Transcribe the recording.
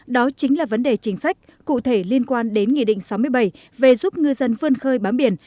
đó chính là vấn đề chính sách cụ thể liên quan đến nghị định sáu mươi bảy về giúp ngư dân vươn khơi bám biển